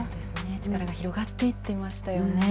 力が広がっていっていましたよね。